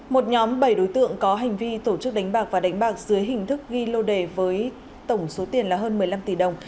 một nhóm bảy đối tượng có hành vi tổ chức đánh bạc và đánh bạc dưới hình thức ghi lô đề với tổng số tiền là hơn một mươi năm tỷ đồng